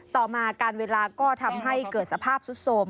ต่อมาการเวลาก็ทำให้เกิดสภาพสุดโสม